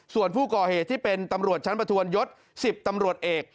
ส่วนผู้ก่อเหตุที่เป็นตำรวจชั้นประทวนยศ๑๐ตำรวจเอก